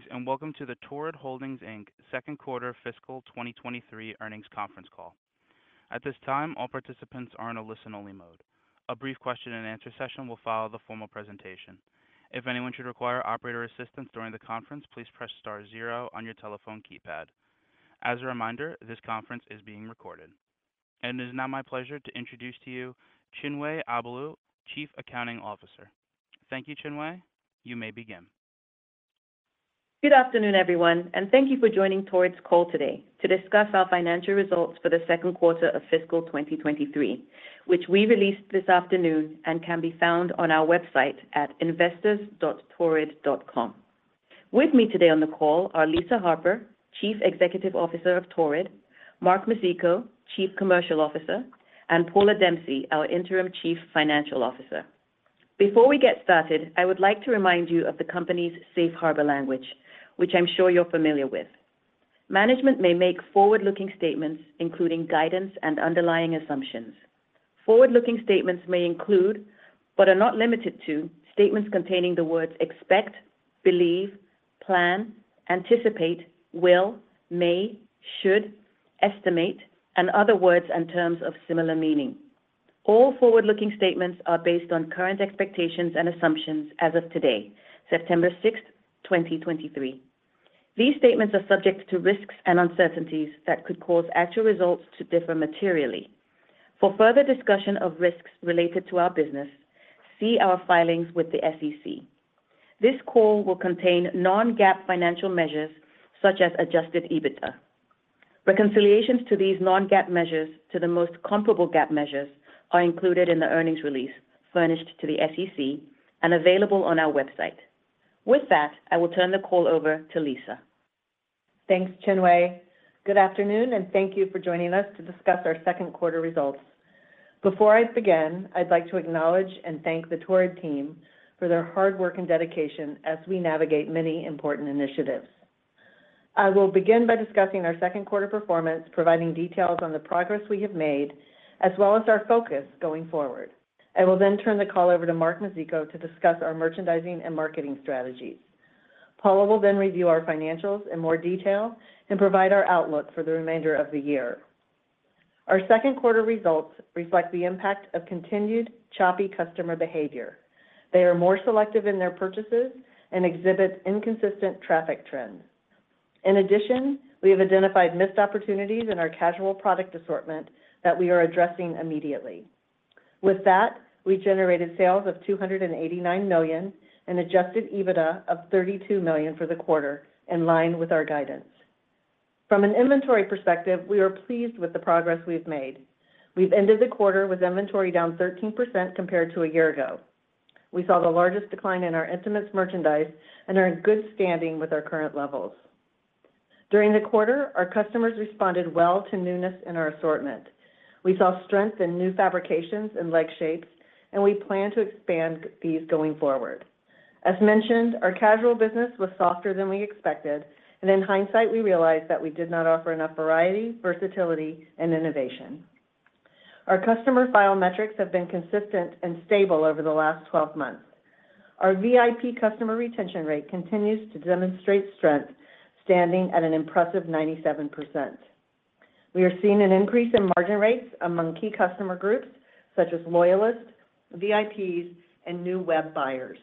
Greetings, and welcome to the Torrid Holdings, Inc. Q2 fiscal 2023 earnings conference call. At this time, all participants are in a listen-only mode. A brief question and answer session will follow the formal presentation. If anyone should require operator assistance during the conference, please press star zero on your telephone keypad. As a reminder, this conference is being recorded. It is now my pleasure to introduce to you Chinwe Abaelu, Chief Accounting Officer. Thank you, Chinwe. You may begin. Good afternoon, everyone, and thank you for joining Torrid's call today to discuss our financial results for the Q2 of fiscal 2023, which we released this afternoon and can be found on our website at investors.torrid.com. With me today on the call are Lisa Harper, Chief Executive Officer of Torrid, Mark Mizicko, Chief Commercial Officer, and Paula Dempsey, our Interim Chief Financial Officer. Before we get started, I would like to remind you of the company's Safe Harbor language, which I'm sure you're familiar with. Management may make forward-looking statements, including guidance and underlying assumptions. Forward-looking statements may include, but are not limited to, statements containing the words expect, believe, plan, anticipate, will, may, should, estimate, and other words and terms of similar meaning. All forward-looking statements are based on current expectations and assumptions as of today, September 6, 2023. These statements are subject to risks and uncertainties that could cause actual results to differ materially. For further discussion of risks related to our business, see our filings with the SEC. This call will contain non-GAAP financial measures such as Adjusted EBITDA. Reconciliations to these non-GAAP measures to the most comparable GAAP measures are included in the earnings release furnished to the SEC and available on our website. With that, I will turn the call over to Lisa. Thanks, Chinwe. Good afternoon, and thank you for joining us to discuss our Q2 results. Before I begin, I'd like to acknowledge and thank the Torrid team for their hard work and dedication as we navigate many important initiatives. I will begin by discussing our Q2 performance, providing details on the progress we have made, as well as our focus going forward. I will then turn the call over to Mark Mizicko to discuss our merchandising and marketing strategies. Paula will then review our financials in more detail and provide our outlook for the remainder of the year. Our Q2 results reflect the impact of continued choppy customer behavior. They are more selective in their purchases and exhibit inconsistent traffic trends. In addition, we have identified missed opportunities in our casual product assortment that we are addressing immediately. With that, we generated sales of $289 million and Adjusted EBITDA of $32 million for the quarter, in line with our guidance. From an inventory perspective, we are pleased with the progress we've made. We've ended the quarter with inventory down 13% compared to a year ago. We saw the largest decline in our intimates merchandise and are in good standing with our current levels. During the quarter, our customers responded well to newness in our assortment. We saw strength in new fabrications and leg shapes, and we plan to expand these going forward. As mentioned, our casual business was softer than we expected, and in hindsight, we realized that we did not offer enough variety, versatility, and innovation. Our customer file metrics have been consistent and stable over the last 12 months. Our VIP customer retention rate continues to demonstrate strength, standing at an impressive 97%. We are seeing an increase in margin rates among key customer groups, such as Loyalists, VIPs, and new web buyers.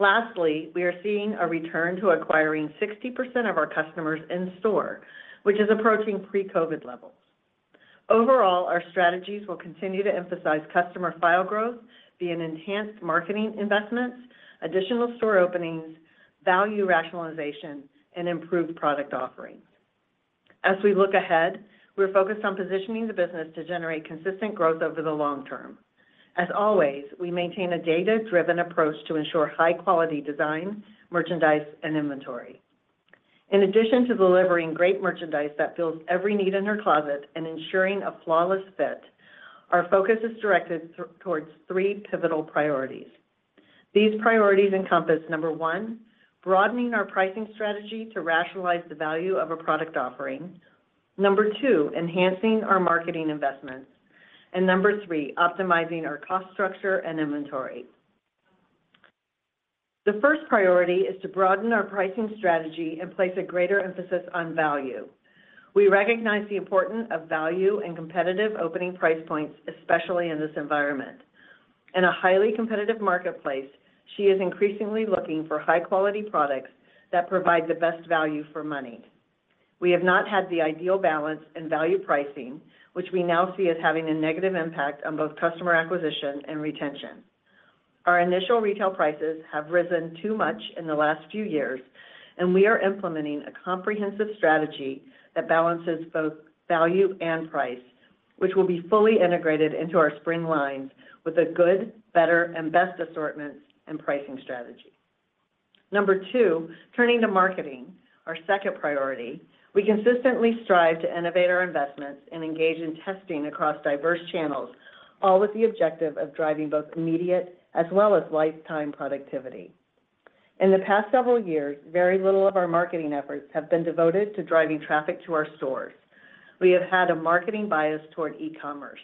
Lastly, we are seeing a return to acquiring 60% of our customers in store, which is approaching pre-COVID levels. Overall, our strategies will continue to emphasize customer file growth via enhanced marketing investments, additional store openings, value rationalization, and improved product offerings. As we look ahead, we're focused on positioning the business to generate consistent growth over the long term. As always, we maintain a data-driven approach to ensure high-quality design, merchandise, and inventory. In addition to delivering great merchandise that fills every need in her closet and ensuring a flawless fit, our focus is directed towards three pivotal priorities. These priorities encompass, 1, broadening our pricing strategy to rationalize the value of a product offering. 2, enhancing our marketing investments. 3, optimizing our cost structure and inventory. The first priority is to broaden our pricing strategy and place a greater emphasis on value. We recognize the importance of value and competitive opening price points, especially in this environment. In a highly competitive marketplace, she is increasingly looking for high-quality products that provide the best value for money. We have not had the ideal balance in value pricing, which we now see as having a negative impact on both customer acquisition and retention. Our initial retail prices have risen too much in the last few years, and we are implementing a comprehensive strategy that balances both value and price, which will be fully integrated into our spring lines with a Good, Better, Best assortment and pricing strategy. Number two, turning to marketing, our second priority. We consistently strive to innovate our investments and engage in testing across diverse channels, all with the objective of driving both immediate as well as lifetime productivity. In the past several years, very little of our marketing efforts have been devoted to driving traffic to our stores. We have had a marketing bias toward e-commerce....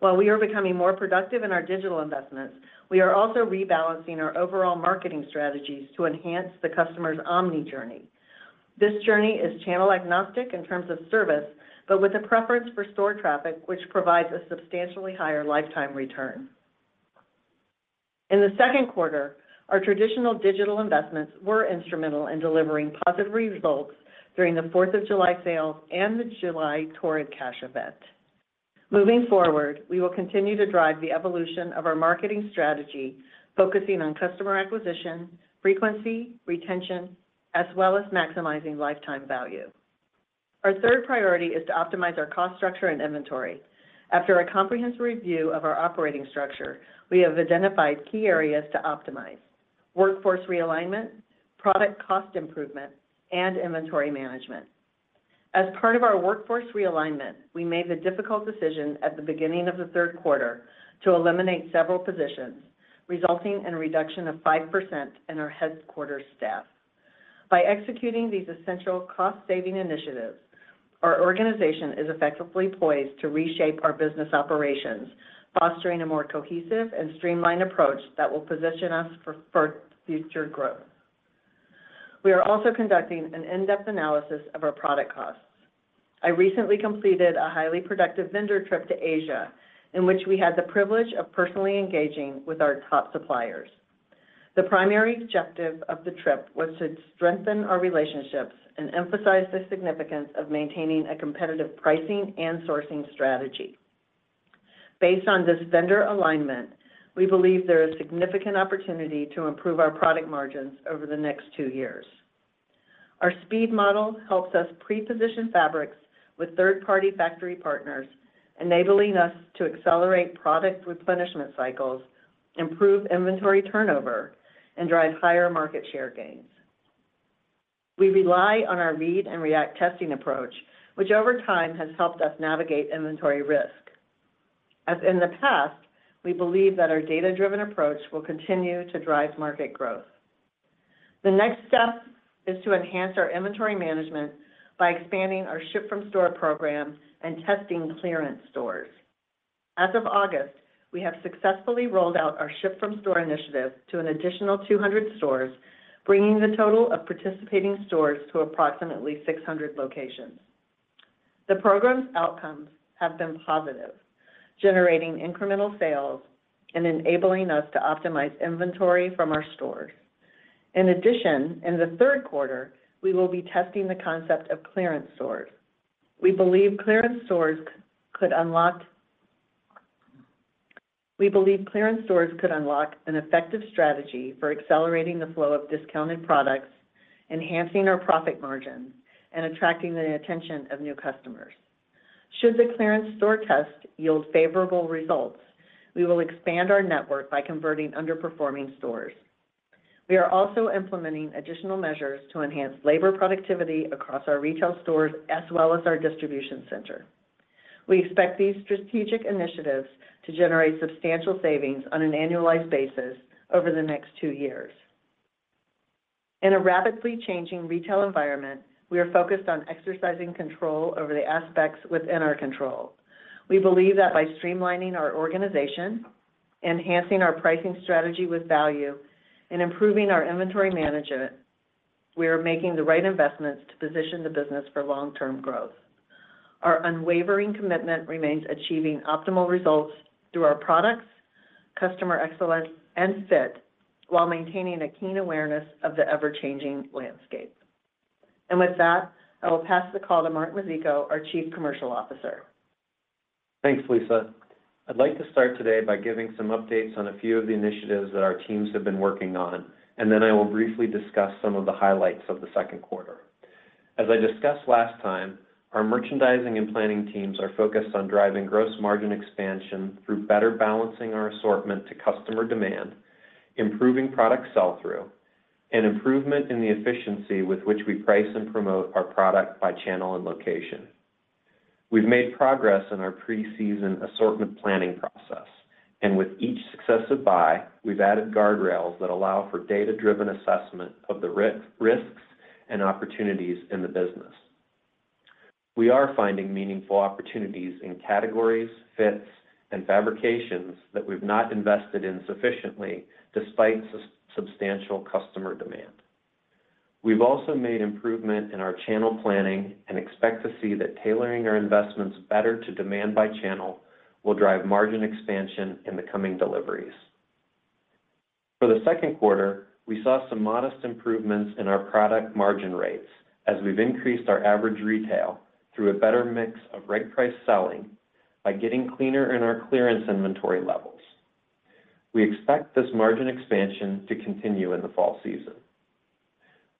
While we are becoming more productive in our digital investments, we are also rebalancing our overall marketing strategies to enhance the customer's Omni-journey. This journey is channel-agnostic in terms of service, but with a preference for store traffic, which provides a substantially higher lifetime return. In the Q2, our traditional digital investments were instrumental in delivering positive results during the Fourth of July sales and the July Torrid Cash Event. Moving forward, we will continue to drive the evolution of our marketing strategy, focusing on customer acquisition, frequency, retention, as well as maximizing lifetime value. Our third priority is to optimize our cost structure and inventory. After a comprehensive review of our operating structure, we have identified key areas to optimize: workforce realignment, product cost improvement, and inventory management. As part of our workforce realignment, we made the difficult decision at the beginning of the Q3 to eliminate several positions, resulting in a reduction of 5% in our headquarters staff. By executing these essential cost-saving initiatives, our organization is effectively poised to reshape our business operations, fostering a more cohesive and streamlined approach that will position us for future growth. We are also conducting an in-depth analysis of our product costs. I recently completed a highly productive vendor trip to Asia, in which we had the privilege of personally engaging with our top suppliers. The primary objective of the trip was to strengthen our relationships and emphasize the significance of maintaining a competitive pricing and sourcing strategy. Based on this vendor alignment, we believe there is significant opportunity to improve our product margins over the next two years. Our speed model helps us pre-position fabrics with third-party factory partners, enabling us to accelerate product replenishment cycles, improve inventory turnover, and drive higher market share gains. We rely on our read and react testing approach, which over time has helped us navigate inventory risk. As in the past, we believe that our data-driven approach will continue to drive market growth. The next step is to enhance our inventory management by expanding our Ship from Store program and testing clearance stores. As of August, we have successfully rolled out our Ship from Store initiative to an additional 200 stores, bringing the total of participating stores to approximately 600 locations. The program's outcomes have been positive, generating incremental sales and enabling us to optimize inventory from our stores. In addition, in the Q3, we will be testing the concept of clearance stores. We believe clearance stores could unlock... We believe clearance stores could unlock an effective strategy for accelerating the flow of discounted products, enhancing our profit margin, and attracting the attention of new customers. Should the clearance store test yield favorable results, we will expand our network by converting underperforming stores. We are also implementing additional measures to enhance labor productivity across our retail stores, as well as our distribution center. We expect these strategic initiatives to generate substantial savings on an annualized basis over the next two years. In a rapidly changing retail environment, we are focused on exercising control over the aspects within our control. We believe that by streamlining our organization, enhancing our pricing strategy with value, and improving our inventory management, we are making the right investments to position the business for long-term growth. Our unwavering commitment remains achieving optimal results through our products, customer excellence, and fit, while maintaining a keen awareness of the ever-changing landscape. With that, I will pass the call to Mark Mizicko, our Chief Commercial Officer. Thanks, Lisa. I'd like to start today by giving some updates on a few of the initiatives that our teams have been working on, and then I will briefly discuss some of the highlights of the Q2. As I discussed last time, our merchandising and planning teams are focused on driving gross margin expansion through better balancing our assortment to customer demand, improving product sell-through, and improvement in the efficiency with which we price and promote our product by channel and location. We've made progress in our pre-season assortment planning process, and with each successive buy, we've added guardrails that allow for data-driven assessment of the risks and opportunities in the business. We are finding meaningful opportunities in categories, fits, and fabrications that we've not invested in sufficiently despite substantial customer demand. We've also made improvement in our channel planning and expect to see that tailoring our investments better to demand by channel will drive margin expansion in the coming deliveries. For the Q2, we saw some modest improvements in our product margin rates as we've increased our average retail through a better mix of right price selling by getting cleaner in our clearance inventory levels. We expect this margin expansion to continue in the fall season.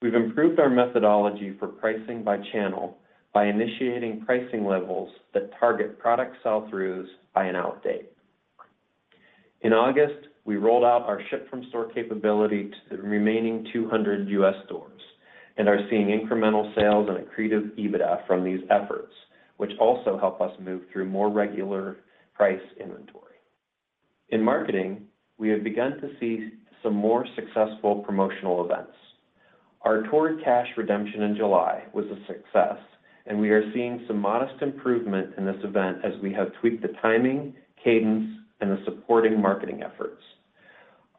We've improved our methodology for pricing by channel by initiating pricing levels that target product sell-throughs by an out date. In August, we rolled out our Ship from Store capability to the remaining 200 US stores and are seeing incremental sales and accretive EBITDA from these efforts, which also help us move through more regular price inventory. In marketing, we have begun to see some more successful promotional events. Our Torrid Cash redemption in July was a success, and we are seeing some modest improvement in this event as we have tweaked the timing, cadence, and the supporting marketing efforts.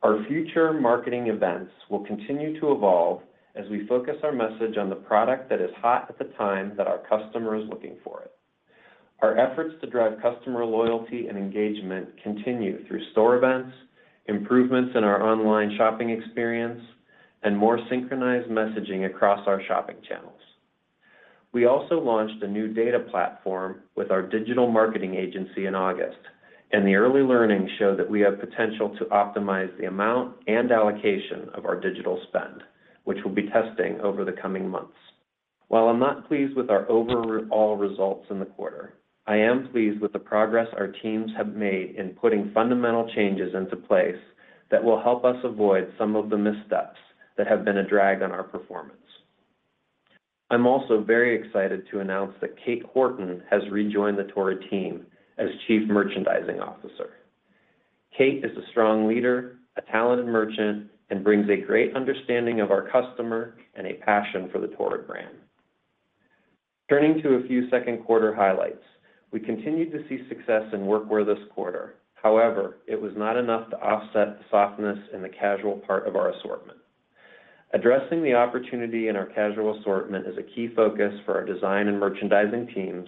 Our future marketing events will continue to evolve as we focus our message on the product that is hot at the time that our customer is looking for it. Our efforts to drive customer loyalty and engagement continue through store events, improvements in our online shopping experience, and more synchronized messaging across our shopping channels. We also launched a new data platform with our digital marketing agency in August, and the early learnings show that we have potential to optimize the amount and allocation of our digital spend, which we'll be testing over the coming months. While I'm not pleased with our overall results in the quarter, I am pleased with the progress our teams have made in putting fundamental changes into place that will help us avoid some of the missteps that have been a drag on our performance. I'm also very excited to announce that Kate Horton has rejoined the Torrid team as Chief Merchandising Officer. Kate is a strong leader, a talented merchant, and brings a great understanding of our customer and a passion for the Torrid brand. Turning to a few Q2 highlights, we continued to see success in workwear this quarter. However, it was not enough to offset the softness in the casual part of our assortment. Addressing the opportunity in our casual assortment is a key focus for our design and merchandising teams,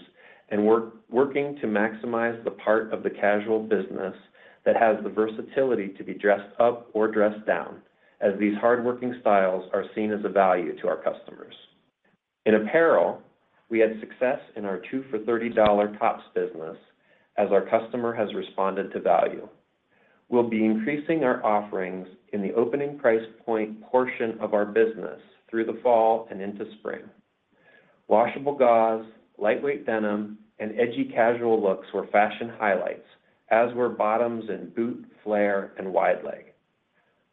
and we're working to maximize the part of the casual business that has the versatility to be dressed up or dressed down, as these hardworking styles are seen as a value to our customers. In apparel, we had success in our 2 for $30 tops business, as our customer has responded to value. We'll be increasing our offerings in the opening price point portion of our business through the fall and into spring. Washable gauze, lightweight denim, and edgy casual looks were fashion highlights, as were bottoms in boot, flare, and wide leg.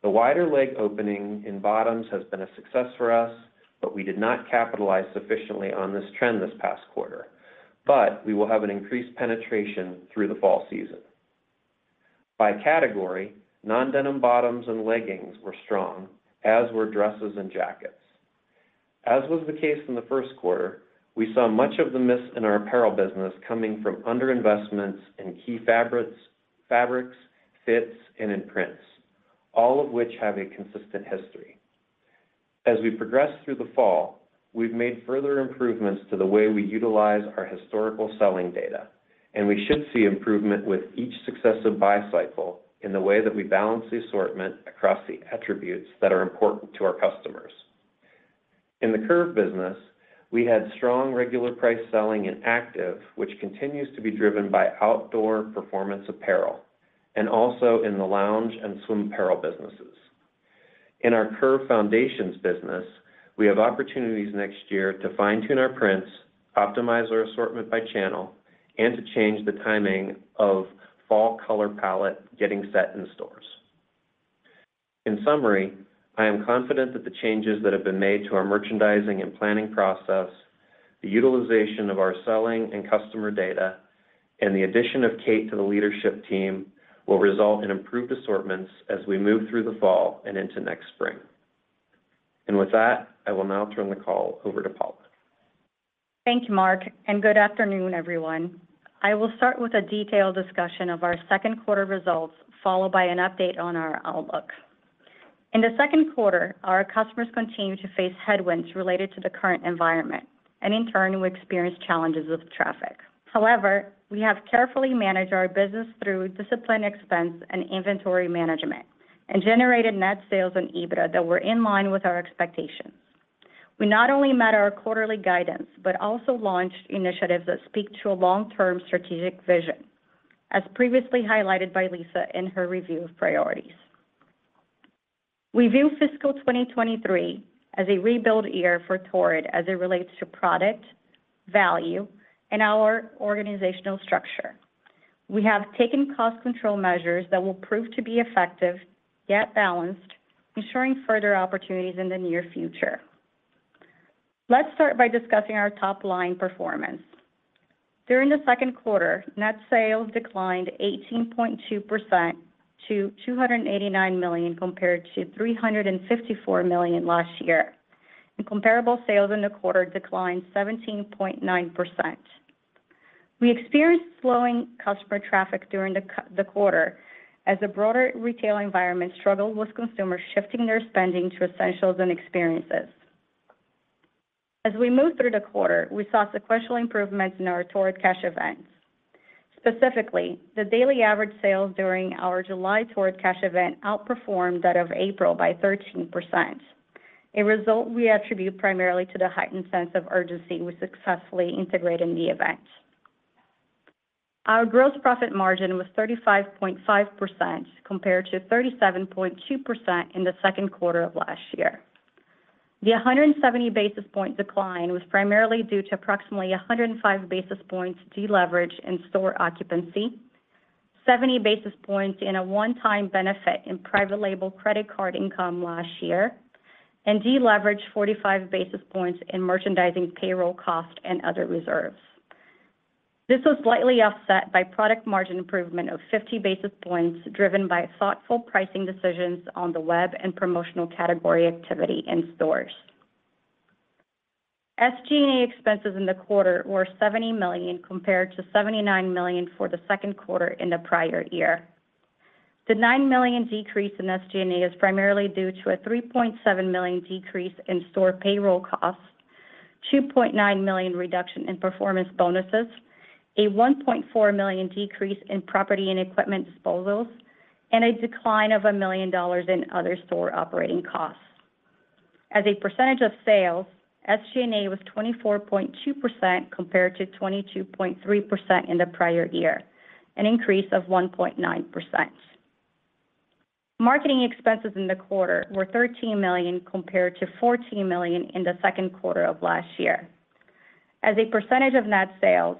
The wider leg opening in bottoms has been a success for us, but we did not capitalize sufficiently on this trend this past quarter. But we will have an increased penetration through the fall season. By category, non-denim bottoms and leggings were strong, as were dresses and jackets. As was the case in the Q1, we saw much of the miss in our apparel business coming from underinvestments in key fabrics, fits, and in prints, all of which have a consistent history. As we progress through the fall, we've made further improvements to the way we utilize our historical selling data, and we should see improvement with each successive buy cycle in the way that we balance the assortment across the attributes that are important to our customers. In the Curve business, we had strong regular price selling in active, which continues to be driven by outdoor performance apparel, and also in the lounge and swim apparel businesses. In our Curve foundations business, we have opportunities next year to fine-tune our prints, optimize our assortment by channel, and to change the timing of fall color palette getting set in stores. In summary, I am confident that the changes that have been made to our merchandising and planning process, the utilization of our selling and customer data, and the addition of Kate to the leadership team will result in improved assortments as we move through the fall and into next spring. And with that, I will now turn the call over to Paula. Thank you, Mark, and good afternoon, everyone. I will start with a detailed discussion of our Q2 results, followed by an update on our outlook. In the Q2, our customers continued to face headwinds related to the current environment, and in turn, we experienced challenges with traffic. However, we have carefully managed our business through disciplined expense and inventory management and generated net sales and EBITDA that were in line with our expectations. We not only met our quarterly guidance, but also launched initiatives that speak to a long-term strategic vision, as previously highlighted by Lisa in her review of priorities. We view fiscal 2023 as a rebuild year for Torrid as it relates to product, value, and our organizational structure. We have taken cost control measures that will prove to be effective, yet balanced, ensuring further opportunities in the near future. Let's start by discussing our top-line performance. During the Q2, net sales declined 18.2% to $289 million, compared to $354 million last year, and comparable sales in the quarter declined 17.9%. We experienced slowing customer traffic during the quarter as the broader retail environment struggled with consumers shifting their spending to essentials and experiences. As we moved through the quarter, we saw sequential improvements in our Torrid Cash events. Specifically, the daily average sales during our July Torrid Cash event outperformed that of April by 13%, a result we attribute primarily to the heightened sense of urgency we successfully integrated in the event. Our gross profit margin was 35.5%, compared to 37.2% in the Q2 of last year. The 170 basis point decline was primarily due to approximately 105 basis points deleverage in store occupancy, 70 basis points in a one-time benefit in private label credit card income last year, and deleverage 45 basis points in merchandising, payroll costs, and other reserves. This was slightly offset by product margin improvement of 50 basis points, driven by thoughtful pricing decisions on the web and promotional category activity in stores. SG&A expenses in the quarter were $70 million, compared to $79 million for the Q2 in the prior year. The $9 million decrease in SG&A is primarily due to a $3.7 million decrease in store payroll costs, $2.9 million reduction in performance bonuses, a $1.4 million decrease in property and equipment disposals, and a decline of $1 million in other store operating costs. As a percentage of sales, SG&A was 24.2% compared to 22.3% in the prior year, an increase of 1.9%. Marketing expenses in the quarter were $13 million compared to $14 million in the Q2 of last year. As a percentage of net sales,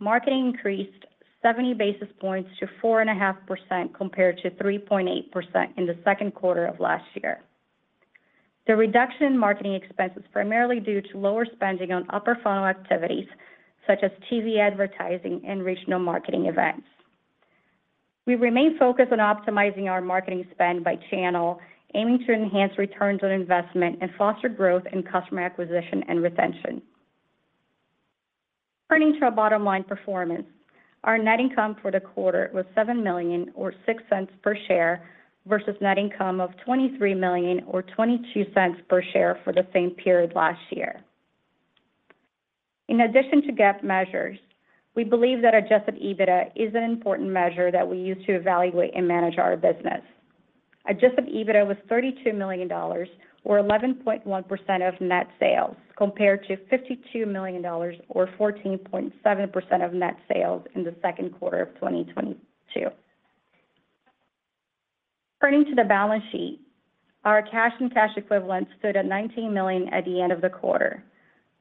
marketing increased 70 basis points to 4.5%, compared to 3.8% in the Q2 of last year. The reduction in marketing expenses primarily due to lower spending on upper funnel activities, such as TV advertising and regional marketing events. We remain focused on optimizing our marketing spend by channel, aiming to enhance returns on investment and foster growth in customer acquisition and retention. Turning to our bottom line performance. Our net income for the quarter was $7 million, or $0.06 per share, versus net income of $23 million or $0.22 per share for the same period last year. In addition to GAAP measures, we believe that Adjusted EBITDA is an important measure that we use to evaluate and manage our business. Adjusted EBITDA was $32 million, or 11.1% of net sales, compared to $52 million, or 14.7% of net sales in the Q2 of 2022. Turning to the balance sheet, our cash and cash equivalents stood at $19 million at the end of the quarter.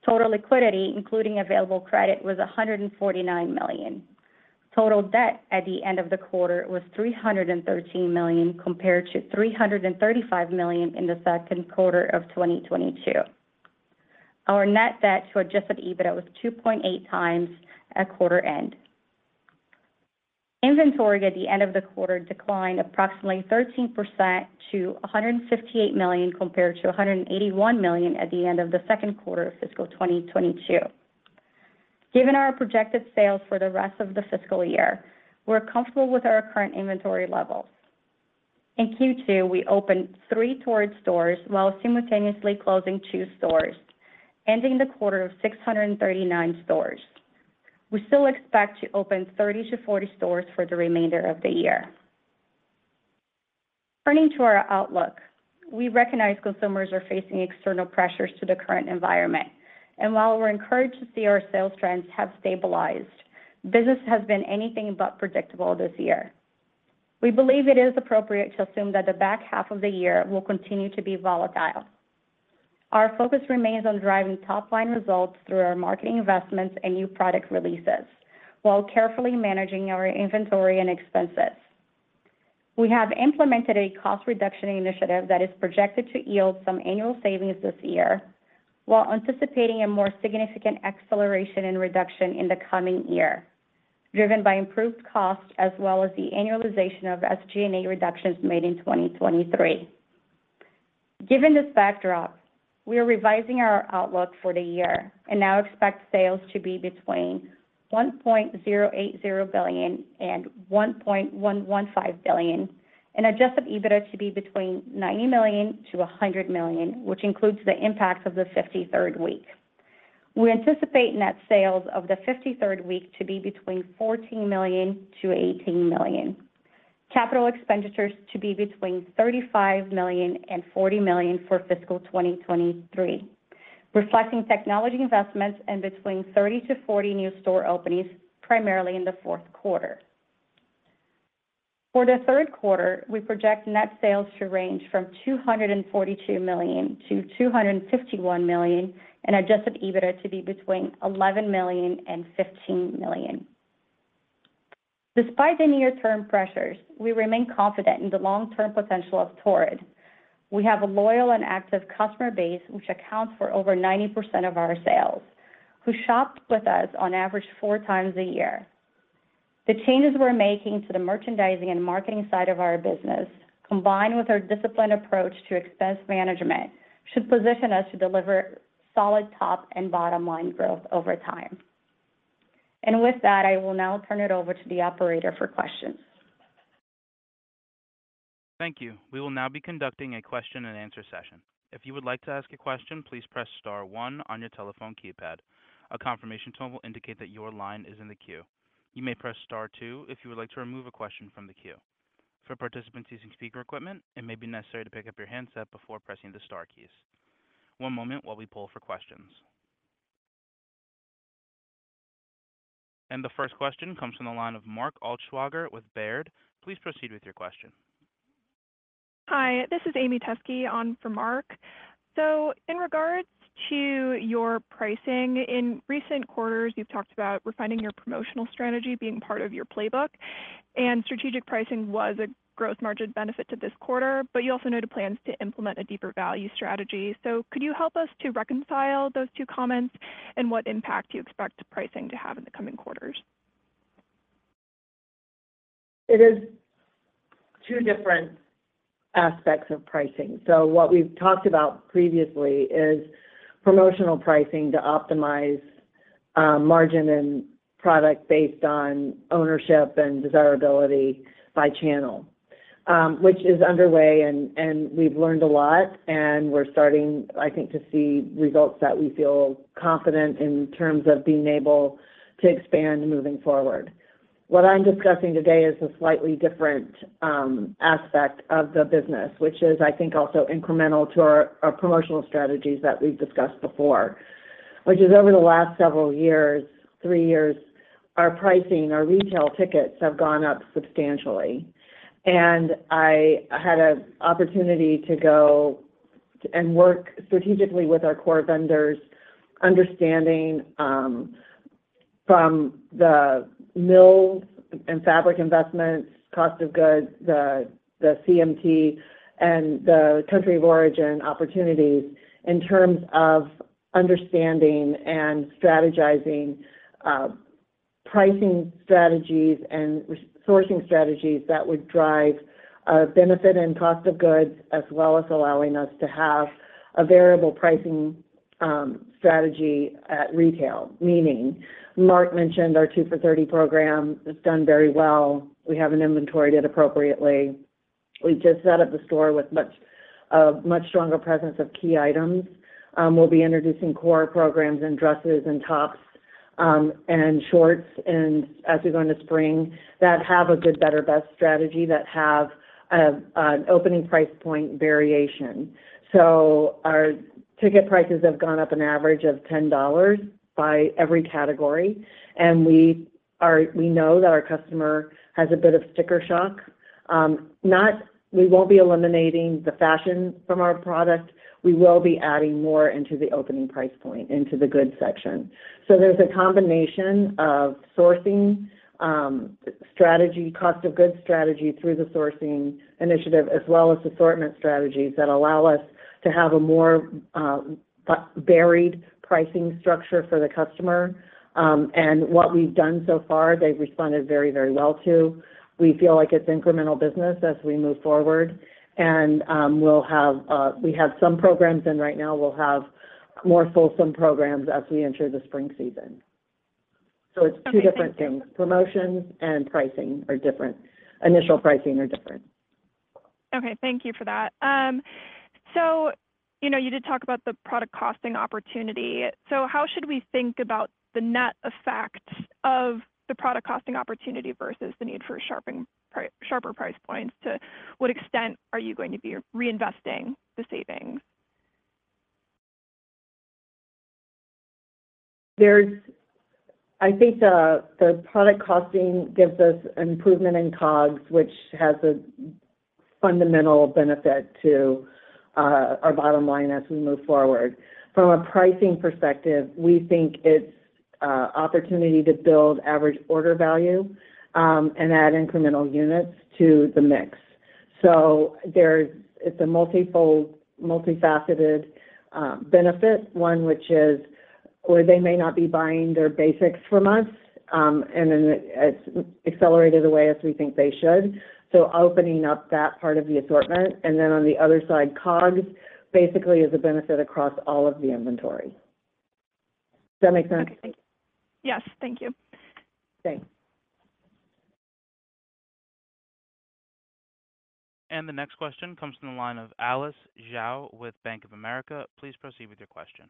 Total liquidity, including available credit, was $149 million. Total debt at the end of the quarter was $313 million, compared to $335 million in the Q2 of 2022. Our net debt to Adjusted EBITDA was 2.8 times at quarter end. Inventory at the end of the quarter declined approximately 13% to $158 million, compared to $181 million at the end of the Q2 of fiscal 2022. Given our projected sales for the rest of the fiscal year, we're comfortable with our current inventory levels. In Q2, we opened 3 Torrid stores while simultaneously closing 2 stores, ending the quarter of 639 stores. We still expect to open 30-40 stores for the remainder of the year. Turning to our outlook, we recognize consumers are facing external pressures to the current environment, and while we're encouraged to see our sales trends have stabilized, business has been anything but predictable this year. We believe it is appropriate to assume that the back half of the year will continue to be volatile. Our focus remains on driving top-line results through our marketing investments and new product releases while carefully managing our inventory and expenses. We have implemented a cost reduction initiative that is projected to yield some annual savings this year, while anticipating a more significant acceleration and reduction in the coming year, driven by improved costs as well as the annualization of SG&A reductions made in 2023. Given this backdrop, we are revising our outlook for the year and now expect sales to be between $1.080 billion and $1.115 billion, and Adjusted EBITDA to be between $90 million and $100 million, which includes the impacts of the 53rd week. We anticipate net sales of the 53rd week to be $14 million-$18 million. Capital expenditures to be $35 million-$40 million for fiscal 2023, reflecting technology investments and 30-40 new store openings, primarily in the Q4. For the Q3, we project net sales to range from $242 million-$251 million, and Adjusted EBITDA to be $11 million-$15 million. Despite the near-term pressures, we remain confident in the long-term potential of Torrid. We have a loyal and active customer base, which accounts for over 90% of our sales, who shop with us on average 4 times a year. The changes we're making to the merchandising and marketing side of our business, combined with our disciplined approach to expense management, should position us to deliver solid top and bottom line growth over time. And with that, I will now turn it over to the operator for questions. Thank you. We will now be conducting a question and answer session. If you would like to ask a question, please press star one on your telephone keypad. A confirmation tone will indicate that your line is in the queue. You may press star two if you would like to remove a question from the queue. For participants using speaker equipment, it may be necessary to pick up your handset before pressing the star keys. One moment while we pull for questions. The first question comes from the line of Mark Altschwager with Baird. Please proceed with your question. Hi, this is Amy Teske on for Mark. So in regards to your pricing. In recent quarters, you've talked about refining your promotional strategy being part of your playbook, and strategic pricing was a growth margin benefit to this quarter, but you also noted plans to implement a deeper value strategy. So could you help us to reconcile those two comments and what impact you expect pricing to have in the coming quarters? It is two different aspects of pricing. So what we've talked about previously is promotional pricing to optimize margin and product based on ownership and desirability by channel. Which is underway and we've learned a lot, and we're starting, I think, to see results that we feel confident in terms of being able to expand moving forward. What I'm discussing today is a slightly different aspect of the business, which is, I think, also incremental to our promotional strategies that we've discussed before. Which is over the last several years, three years, our pricing, our retail tickets have gone up substantially. I had an opportunity to go and work strategically with our core vendors, understanding from the mills and fabric investments, cost of goods, the CMT, and the country of origin opportunities in terms of understanding and strategizing pricing strategies and resourcing strategies that would drive benefit and cost of goods, as well as allowing us to have a variable pricing strategy at retail. Meaning, Mark mentioned our 2 for $30 program. It's done very well. We have an inventory that appropriately... We just set up the store with much, a much stronger presence of key items. We'll be introducing core programs and dresses and tops, and shorts, and as we go into spring, that have a Good, Better, Best strategy, that have an opening price point variation. So our ticket prices have gone up an average of $10 by every category, and we know that our customer has a bit of sticker shock. Not—we won't be eliminating the fashion from our product. We will be adding more into the opening price point, into the goods section. So there's a combination of sourcing strategy, cost of goods strategy through the sourcing initiative, as well as assortment strategies that allow us to have a more varied pricing structure for the customer. And what we've done so far, they've responded very, very well to. We feel like it's incremental business as we move forward. And, we'll have, we have some programs, and right now we'll have more fulsome programs as we enter the spring season. So it's two different things. Promotions and pricing are different. Initial pricing are different. Okay, thank you for that. So, you know, you did talk about the product costing opportunity. So how should we think about the net effect of the product costing opportunity versus the need for sharper price points? To what extent are you going to be reinvesting the savings? There's I think the product costing gives us an improvement in COGS, which has a fundamental benefit to our bottom line as we move forward. From a pricing perspective, we think it's opportunity to build average order value and add incremental units to the mix. So there's - it's a multifold, multifaceted benefit. One, which is where they may not be buying their basics from us, and then it's accelerated away as we think they should, so opening up that part of the assortment. And then on the other side, COGS basically is a benefit across all of the inventory. Does that make sense? Yes. Thank you. Thanks. The next question comes from the line of Alice Xiao with Bank of America. Please proceed with your question.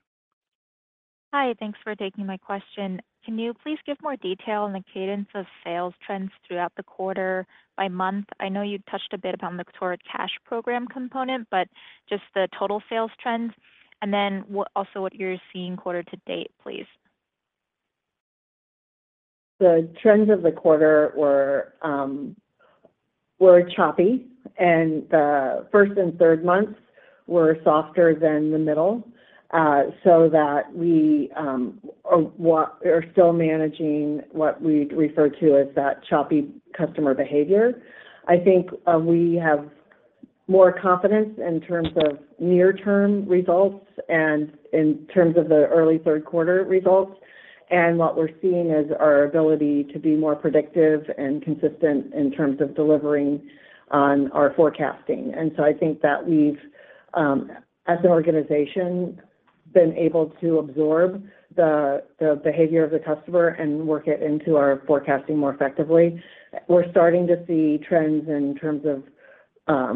Hi, thanks for taking my question. Can you please give more detail on the cadence of sales trends throughout the quarter by month? I know you touched a bit upon the Torrid Cash program component, but just the total sales trends, and then what, also what you're seeing quarter to date, please. The trends of the quarter were choppy, and the first and third months were softer than the middle, so we are still managing what we'd refer to as that choppy customer behavior. I think we have more confidence in terms of near-term results and in terms of the early Q3 results, and what we're seeing is our ability to be more predictive and consistent in terms of delivering on our forecasting. And so I think that we've, as an organization, been able to absorb the behavior of the customer and work it into our forecasting more effectively. We're starting to see trends in terms of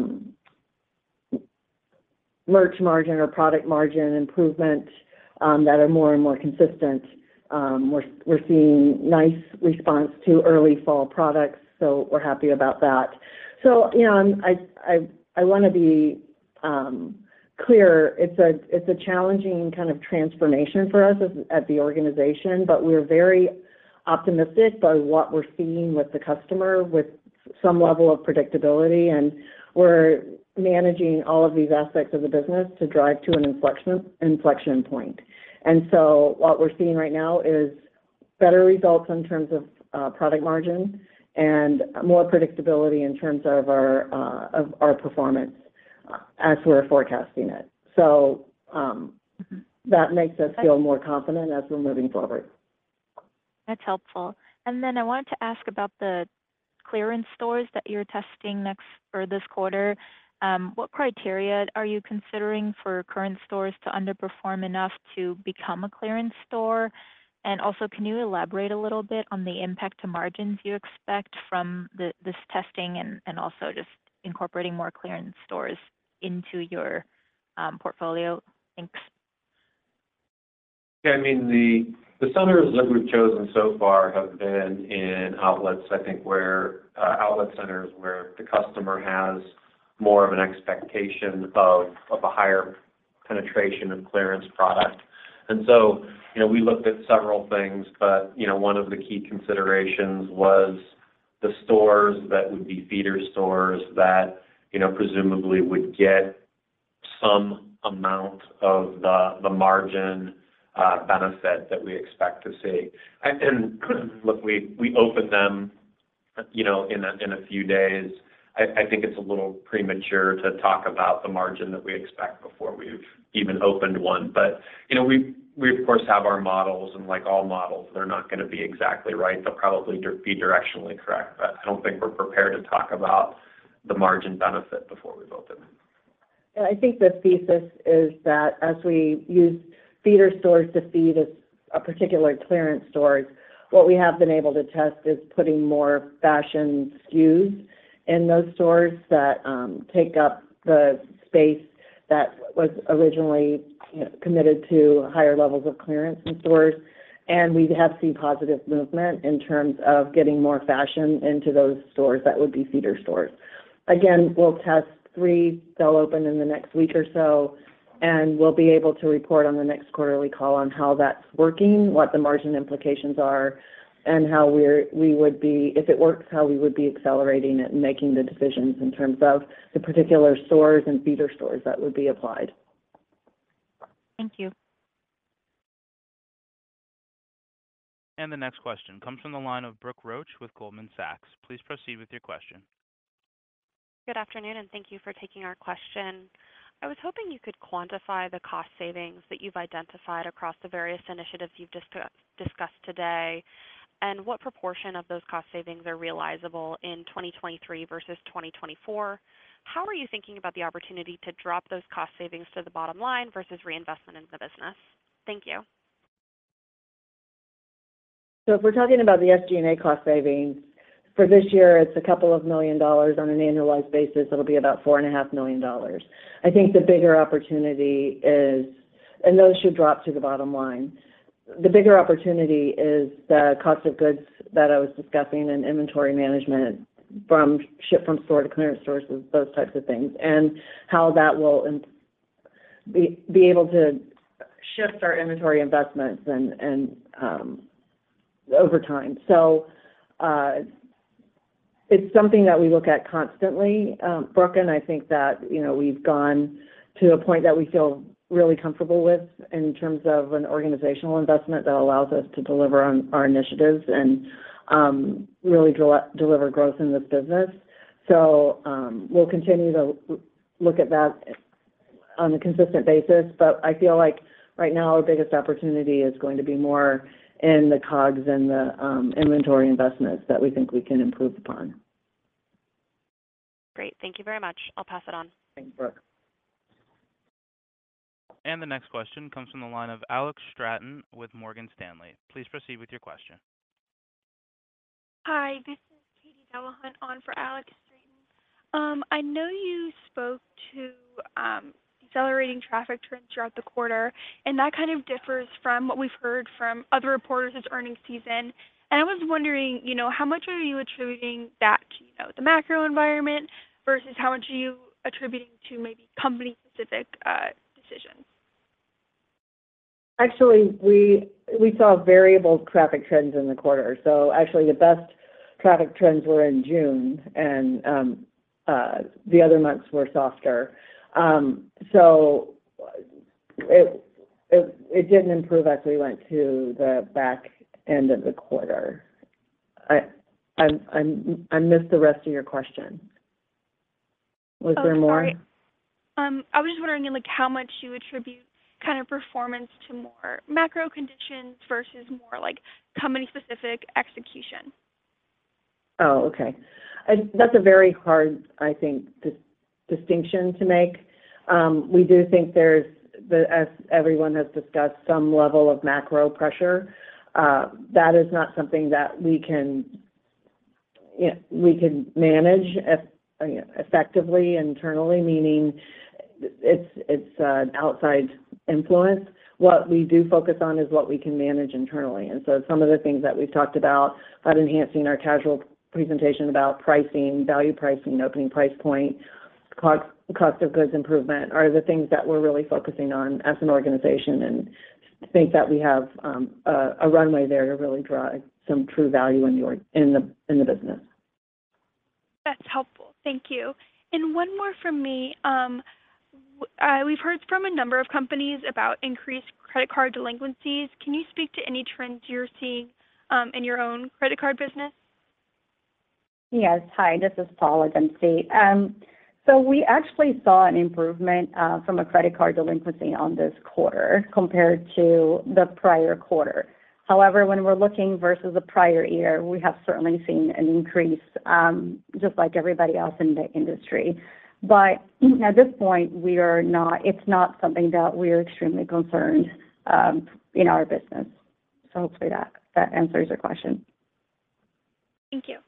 merch margin or product margin improvement that are more and more consistent. We're seeing nice response to early fall products, so we're happy about that. So, you know, I wanna be clear. It's a challenging kind of transformation for us at the organization, but we're very optimistic by what we're seeing with the customer, some level of predictability, and we're managing all of these aspects of the business to drive to an inflection point. And so what we're seeing right now is better results in terms of product margin and more predictability in terms of our performance as we're forecasting it. So, that makes us feel more confident as we're moving forward. That's helpful. And then I wanted to ask about the clearance stores that you're testing next for this quarter. What criteria are you considering for current stores to underperform enough to become a clearance store? And also, can you elaborate a little bit on the impact to margins you expect from this testing and, and also just incorporating more clearance stores into your portfolio? Thanks. Yeah, I mean, the centers that we've chosen so far have been in outlets, I think where outlet centers where the customer has more of an expectation of a higher penetration and clearance product. And so, you know, we looked at several things, but, you know, one of the key considerations was the stores that would be feeder stores that, you know, presumably would get some amount of the margin benefit that we expect to see. And look, we opened them, you know, in a few days. I think it's a little premature to talk about the margin that we expect before we've even opened one. But, you know, we, of course, have our models, and like all models, they're not gonna be exactly right. They'll probably be directionally correct, but I don't think we're prepared to talk about the margin benefit before we've opened. I think the thesis is that as we use feeder stores to feed a particular clearance store, what we have been able to test is putting more fashion SKUs in those stores that take up the space that was originally, you know, committed to higher levels of clearance in stores. We have seen positive movement in terms of getting more fashion into those stores that would be feeder stores. Again, we'll test three. They'll open in the next week or so, and we'll be able to report on the next quarterly call on how that's working, what the margin implications are, and how, if it works, we would be accelerating it and making the decisions in terms of the particular stores and feeder stores that would be applied. Thank you. The next question comes from the line of Brooke Roach with Goldman Sachs. Please proceed with your question. Good afternoon, and thank you for taking our question. I was hoping you could quantify the cost savings that you've identified across the various initiatives you've discussed today, and what proportion of those cost savings are realizable in 2023 versus 2024? How are you thinking about the opportunity to drop those cost savings to the bottom line versus reinvestment in the business? Thank you. So if we're talking about the SG&A cost savings, for this year, it's $2 million. On an annualized basis, it'll be about $4.5 million. I think the bigger opportunity is... And those should drop to the bottom line. The bigger opportunity is the cost of goods that I was discussing and inventory management from Ship from Store to clearance stores, those types of things, and how that will be able to shift our inventory investments and over time. So, it's something that we look at constantly, Brooke, and I think that, you know, we've gone to a point that we feel really comfortable with in terms of an organizational investment that allows us to deliver on our initiatives and really deliver growth in this business. So, we'll continue to look at that on a consistent basis, but I feel like right now, our biggest opportunity is going to be more in the COGS and the inventory investments that we think we can improve upon. Great. Thank you very much. I'll pass it on. Thanks, Brooke. The next question comes from the line of Alex Straton with Morgan Stanley. Please proceed with your question. Hi, this is Katie Delahunt on for Alex Straton. I know you spoke to, accelerating traffic trends throughout the quarter, and that kind of differs from what we've heard from other reporters this earnings season. And I was wondering, you know, how much are you attributing that to, you know, the macro environment versus how much are you attributing to maybe company-specific, decisions? Actually, we saw variable traffic trends in the quarter. So actually, the best traffic trends were in June, and the other months were softer. So it didn't improve as we went to the back end of the quarter. I missed the rest of your question. Was there more? Oh, sorry. I was just wondering, like, how much you attribute kind of performance to more macro conditions versus more, like, company-specific execution? Oh, okay. That's a very hard distinction to make, I think. We do think there's the, as everyone has discussed, some level of macro pressure. That is not something that we can, you know, manage effectively internally, meaning it's an outside influence. What we do focus on is what we can manage internally. And so some of the things that we've talked about, about enhancing our casual presentation, about pricing, value pricing, opening price point, cost, cost of goods improvement, are the things that we're really focusing on as an organization. And I think that we have a runway there to really drive some true value in the business. That's helpful. Thank you. One more from me. We've heard from a number of companies about increased credit card delinquencies. Can you speak to any trends you're seeing, in your own credit card business? Yes. Hi, this is Paula Dempsey. So we actually saw an improvement from a credit card delinquency on this quarter compared to the prior quarter. However, when we're looking versus the prior year, we have certainly seen an increase, just like everybody else in the industry. But at this point, it's not something that we are extremely concerned in our business. So hopefully that, that answers your question. Thank you.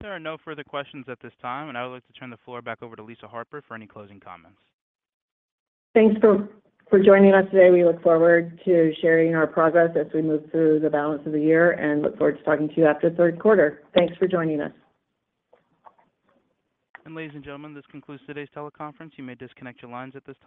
There are no further questions at this time, and I would like to turn the floor back over to Lisa Harper for any closing comments. Thanks for joining us today. We look forward to sharing our progress as we move through the balance of the year and look forward to talking to you after the Q3. Thanks for joining us. Ladies and gentlemen, this concludes today's teleconference. You may disconnect your lines at this time.